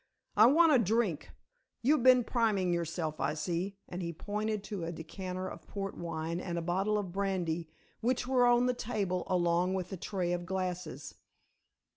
"I want a drink. You've been priming yourself, I see," and he pointed to a decanter of port wine and a bottle of brandy which were on the table along with a tray of glasses.